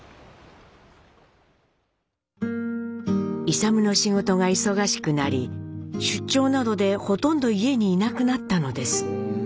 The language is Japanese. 勇の仕事が忙しくなり出張などでほとんど家に居なくなったのです。